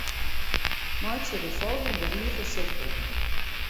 Meitsje de folgjende rige sichtber.